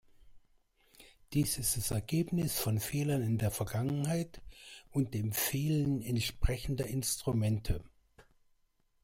Dies ist das Ergebnis von Fehlern in der Vergangenheit und dem Fehlen entsprechender Instrumente.